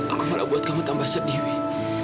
aku malah buat kamu tambah sedih